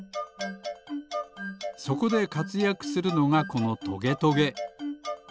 そこでかつやくするのがこのトゲトゲ。